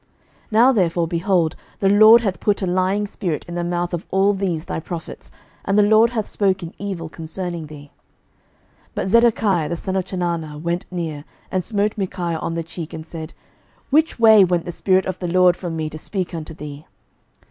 11:022:023 Now therefore, behold, the LORD hath put a lying spirit in the mouth of all these thy prophets, and the LORD hath spoken evil concerning thee. 11:022:024 But Zedekiah the son of Chenaanah went near, and smote Micaiah on the cheek, and said, Which way went the Spirit of the LORD from me to speak unto thee?